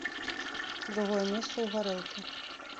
Другое месца ў гарэлкі.